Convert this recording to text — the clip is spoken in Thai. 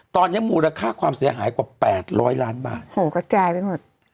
ตอนนี้มูลค่าความเสียหายกว่าแปดร้อยล้านบาทโหกระจายไปหมด